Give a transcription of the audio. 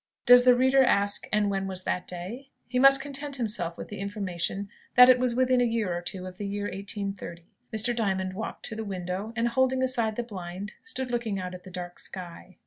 (Does the reader ask, "and when was 'that day?'" He must content himself with the information that it was within a year or two of the year 1830.) Mr. Diamond walked to the window, and holding aside the blind, stood looking out at the dark sky.